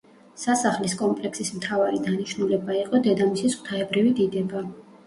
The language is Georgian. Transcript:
სასახლის კომპლექსის მთავარი დანიშნულება იყო დედამისის ღვთაებრივი დიდება.